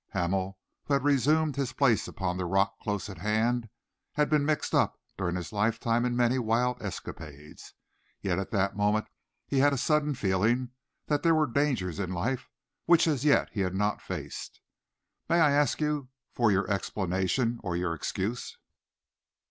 Hamel, who had resumed his place upon the rock close at hand, had been mixed up during his lifetime in many wild escapades. Yet at that moment he had a sudden feeling that there were dangers in life which as yet he had not faced. "May I ask for your explanation or your excuse?"